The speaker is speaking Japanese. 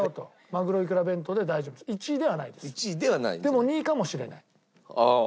でも２位かもしれない。